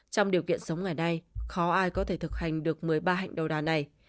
trong điều kiện sống ngày nay khó ai có thể thực hành được một mươi ba hạnh đầu đà này